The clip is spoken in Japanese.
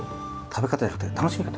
食べ方じゃなくて楽しみ方？